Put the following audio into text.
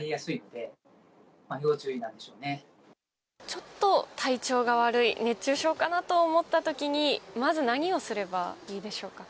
ちょっと体調が悪い熱中症かなと思った時にまず何をすればいいでしょうか。